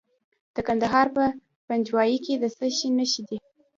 د کندهار په پنجوايي کې د څه شي نښې دي؟